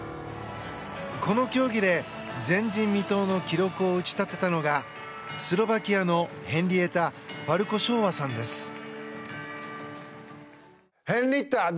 この競技で前人未到の記録を打ち立てたのがスロバキアのヘンリエタ・ファルコショーワさんです。